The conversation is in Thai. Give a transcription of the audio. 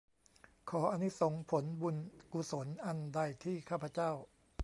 ขออานิสงส์ผลบุญกุศลอันใดที่ข้าพเจ้า